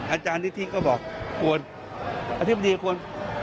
อาจารย์นิทิกก็บอกอาทิบดีควร